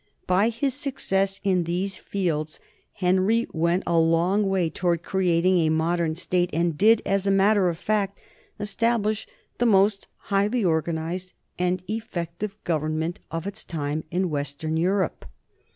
By his success in these fields Henry went a long way toward creating a modern state, and did, as a matter of fact, establish the most highly organized and effective government of its time in western Europe.